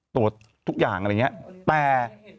ตรวจทุกอย่างอะไรอย่างนี้แต่